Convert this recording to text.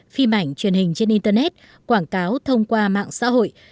phim ảnh truyền hình trên internet quảng cáo thông qua mạng xã hội